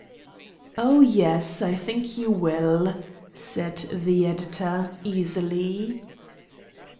"Oh yes, I think you will," said the city editor, easily.